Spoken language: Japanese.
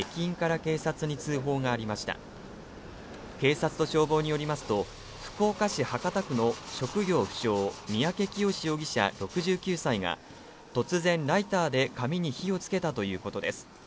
警察と消防によりますと福岡市博多区の職業不詳・三宅潔容疑者、６９歳が突然、ライターで紙に火をつけたということです。